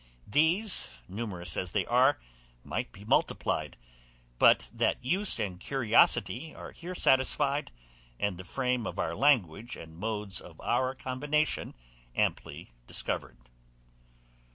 These, numerous as they are, might be multiplied, but that use and curiosity are here satisfied, and the frame of our language and modes of our combination amply discovered.